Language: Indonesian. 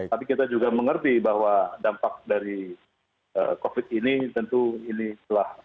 tapi kita juga mengerti bahwa dampak dari covid ini tentu ini telah